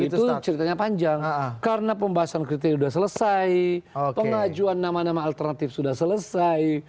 itu ceritanya panjang karena pembahasan kriteria sudah selesai pengajuan nama nama alternatif sudah selesai